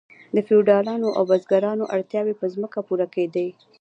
د فیوډالانو او بزګرانو اړتیاوې په ځمکو پوره کیدې.